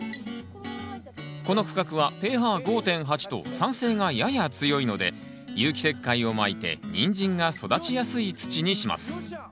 この区画はｐＨ５．８と酸性がやや強いので有機石灰をまいてニンジンが育ちやすい土にします。